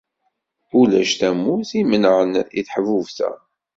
Ulac tamurt i imenεen i teḥbubt-a.